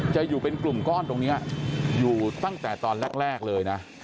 จะอยู่เป็นกลุ่มก้อนตรงนี้อยู่ตั้งแต่ตอนแรกเลยนะ